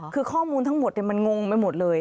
คือข้อมูลทั้งหมดมันงงไปหมดเลย